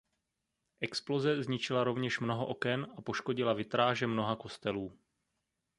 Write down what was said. Exploze zničila rovněž mnoho oken a poškodila vitráže mnoha kostelů.